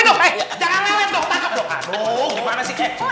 ini apaan sih